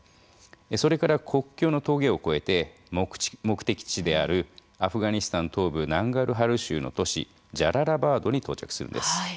それから国境の峠を越えて目的地であるアフガニスタン東部ナンガルハル州の都市ジャララバードに到着するんです。